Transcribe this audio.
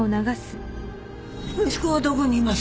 息子はどこにいます？